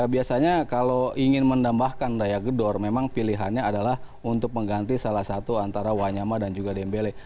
biasanya kalau ingin menambahkan daya gedor memang pilihannya adalah untuk mengganti salah satu antara wanyama dan juga dembele